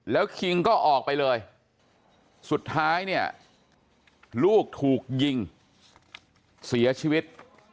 แล้วคิงก็ออกไปเลยสุดท้ายเนี่ยลูกถูกยิงเสียชีวิต